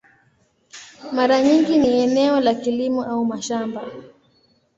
Mara nyingi ni eneo la kilimo au mashamba.